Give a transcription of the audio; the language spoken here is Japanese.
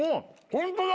ホントだ。